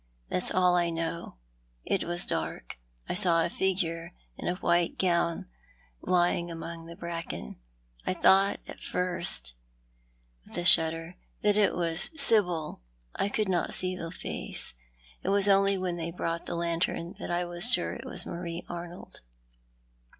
That's all I know. It was dark. I saw a figure in a white gown lying among the bracken. I tliought at first," with a shudder, "that it was Sibyl. I could not sea the face. It was only when they brought the lantern that I was sure it was IVIarie Arnold."